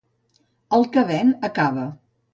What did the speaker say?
El que ven acaba.